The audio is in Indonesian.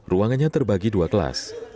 ruangannya terbagi dua kelas